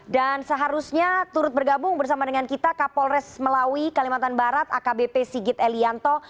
dan seharusnya turut bergabung bersama dengan kita kapolres melawi kalimantan barat akbp sigit elianto